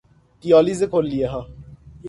دیالیز کلیهها